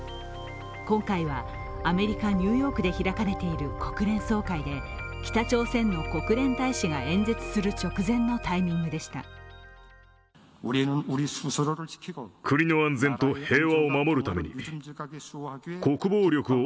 今回はアメリカ・ニューヨークで開かれている国連総会で北朝鮮の国連大使が演説する直前のタイミングでした。